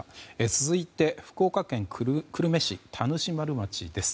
続いて、福岡県久留米市田主丸町です。